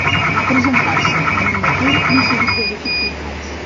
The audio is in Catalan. Presentar-se en un afer un seguit de dificultats.